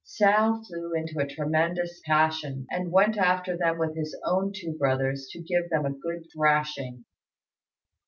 Hsiao flew into a tremendous passion, and went after them with his own two brothers to give them a good thrashing.